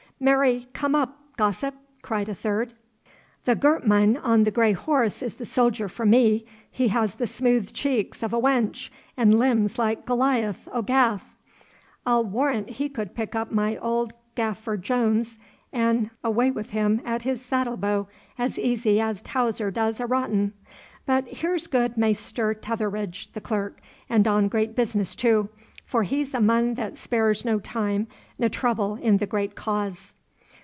'Marry come up, gossip,' cried a third. 'The girt mun on the grey horse is the soldier for me. He has the smooth cheeks o' a wench, an' limbs like Goliath o' Gath. I'll war'nt he could pick up my old gaffer Jones an' awa' wi' him at his saddle bow, as easy as Towser does a rotten! But here's good Maister Tetheridge, the clerk, and on great business too, for he's a mun that spares ne time ne trooble in the great cause.